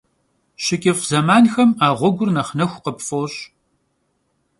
Şıç'ıf' zemanxem a ğuegur nexh nexu khıpf'oş'.